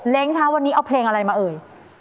คะวันนี้เอาเพลงอะไรมาเอ่ย